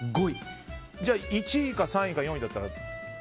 じゃあ１位か３位か４位だったら。